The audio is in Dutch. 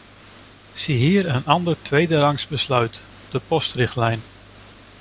Ziehier een ander tweederangs besluit: de postrichtlijn.